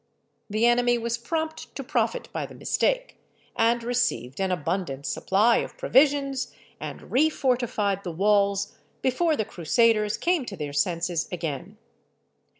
The enemy was prompt to profit by the mistake, and received an abundant supply of provisions, and refortified the walls, before the Crusaders came to their senses again.